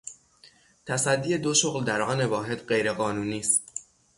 تصدی دو شغل در آن واحد غیر قانونی است.